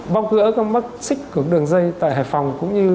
bong cửa các mắc xích của đường dây tại hải phòng